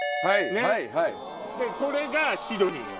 でこれがシドニーよ。